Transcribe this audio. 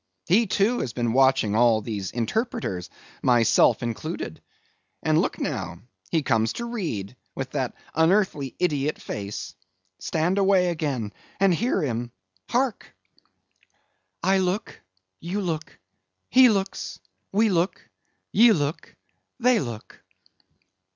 He too has been watching all of these interpreters—myself included—and look now, he comes to read, with that unearthly idiot face. Stand away again and hear him. Hark!" "I look, you look, he looks; we look, ye look, they look."